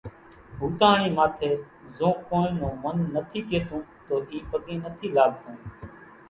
ھوتاۿڻي ماٿي زو ڪونئين نون من نٿي ڪيتون تو اِي پڳين نٿي لاڳتون